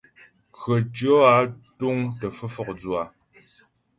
Krəcwɔ́ á túŋ tə́ fə́ fɔkdzʉ á ?